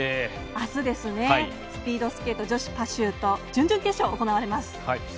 あす、スピードスケート女子パシュート準々決勝行われます。